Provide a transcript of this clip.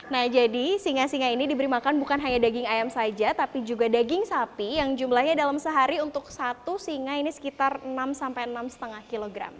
nah jadi singa singa ini diberi makan bukan hanya daging ayam saja tapi juga daging sapi yang jumlahnya dalam sehari untuk satu singa ini sekitar enam enam lima kg